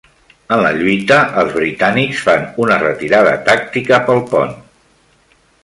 En la lluita, els britànics fan una retirada tàctica pel pont.